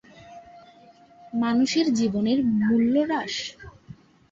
মানুষের জীবনের মূল্য হ্রাস?